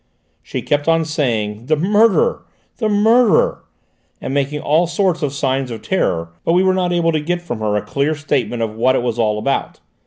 She kept on saying, 'The murderer! the murderer!' and making all sorts of signs of terror, but we were not able to get from her a clear statement of what it was all about.